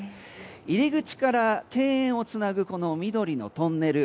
入り口から庭園をつなぐ緑のトンネル。